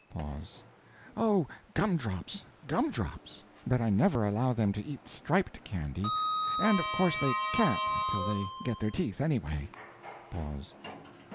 Pause. Oh, gum drops, gum drops! But I never allow them to eat striped candy. And of course they can't, till they get their teeth, anyway. Pause.